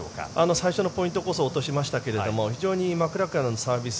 最初のポイントこそ落としましたけれども非常にマクラクランのサービス